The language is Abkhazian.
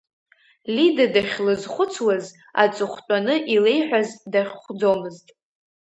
Лида дахьлызхәыцуаз, аҵыхәтәаны илеиҳәаз дахьхәӡомызт.